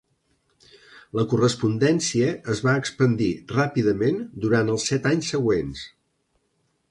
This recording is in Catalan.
La correspondència es va expandir ràpidament durant els set anys següents.